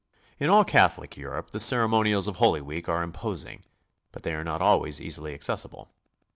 In all Catholic Europe the ceremonials of Holy Week are imposing, but they are not always easily accessible.